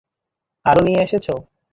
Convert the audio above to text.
আরো নিয়ে এসেছো?